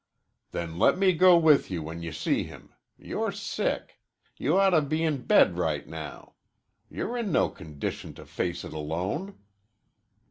"Then let me go with you when you see him. You're sick. You ought to be in bed right now. You're in no condition to face it alone."